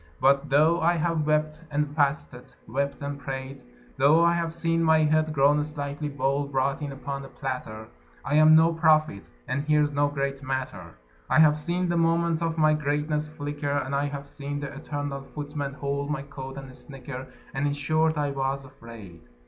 But though I have wept and fasted, wept and prayed, Though I have seen my head [grown slightly bald] brought in upon a platter, I am no prophet and here's no great matter; I have seen the moment of my greatness flicker, And I have seen the eternal Footman hold my coat, and snicker, And in short, I was afraid.